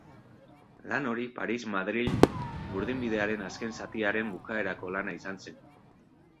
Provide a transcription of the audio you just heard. Lan hori Paris-Madril burdinbidearen azken zatiaren bukaerako lana izan zen.